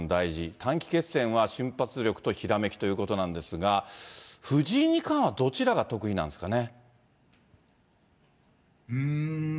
短期決戦は瞬発力とひらめきということなんですが、藤井二冠はどちらが得意なんですかね？